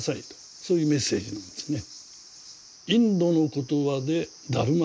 そういうメッセージなんですね。